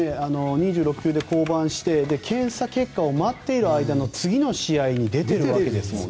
２６球で降板して検査結果を待っている間の次の試合に出ているわけですもんね。